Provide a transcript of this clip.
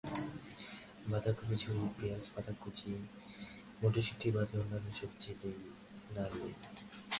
বাঁধাকপি ঝুরি, পেঁয়াজ পাতা কুচি এবং মটরশুঁটি বাদে অন্যান্য সবজি দিয়ে নাড়ুন।